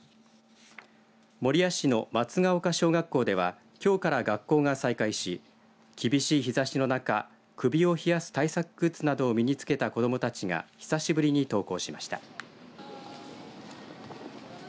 守谷市の松ケ丘小学校ではきょうから学校が再開し厳しい日ざしの中、首を冷やす対策グッズなどを身に着けた子どもたちが久しぶりに登校しました。